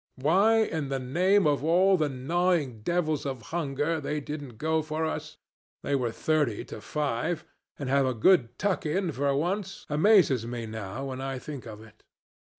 Why in the name of all the gnawing devils of hunger they didn't go for us they were thirty to five and have a good tuck in for once, amazes me now when I think of it.